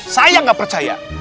saya gak percaya